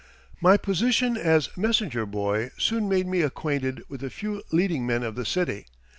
My position as messenger boy soon made me acquainted with the few leading men of the city.